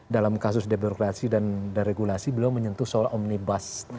dalam kasus demokrasi dan deregulasi belum menyentuh soal omnibus